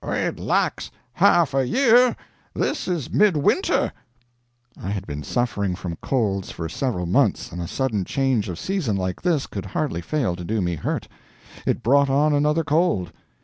"It lacks half a year. This is mid winter." I had been suffering from colds for several months, and a sudden change of season, like this, could hardly fail to do me hurt. It brought on another cold.